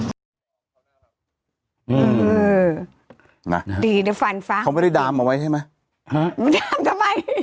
อืมนะดีนะฟันฟ้าเขาไม่ได้ดามเอาไว้ใช่ไหมฮะมันดามทำไม